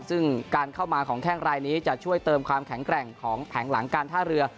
ซึ่งการเข้ามาของแข้งรายนี้จะช่วยเติมความแข็งแกร่งของแผงหลังการท่าเรือ